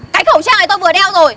cái khẩu trang này tôi vừa đeo rồi